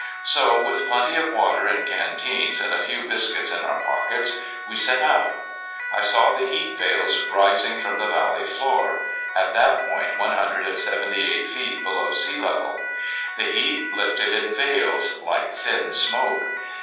So with plenty of water in canteens and a few biscuits in our pockets we set out. I saw the heat veils rising from the valley floor, at that point one hundred and seventy eight feet below sea level. The heat lifted in veils, like thin smoke.